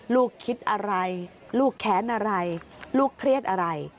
ลูกคิดอะไรลูกแค้นอะไรลูกเครียดอะไร